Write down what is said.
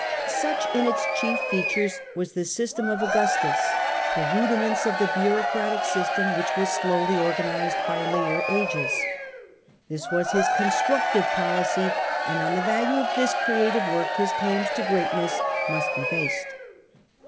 Such in its chief features was the system of Augustus, Cf 20 The Earlier Empire, b.c. 31 * the rudiments of the bureaucratic system which was General slowly organized by later ages. This was his the*new'^°^ constructive policy, and on the value of this rc£:ime. Creative work his claims to greatness must be based.